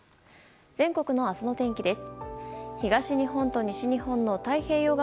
全国の明日の天気です。